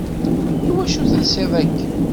Iwacu telsiḍ akken?